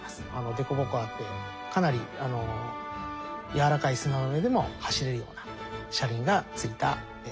凸凹あってかなりやわらかい砂の上でも走れるような車輪が付いたロボットになってます。